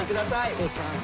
失礼します。